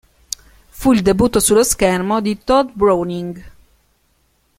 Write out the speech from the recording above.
Fu il debutto sullo schermo di Tod Browning.